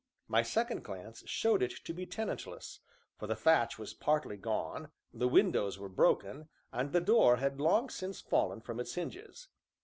My second glance showed it to be tenantless, for the thatch was partly gone, the windows were broken, and the door had long since fallen from its hinges.